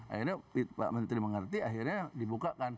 akhirnya pak menteri mengerti akhirnya dibukakan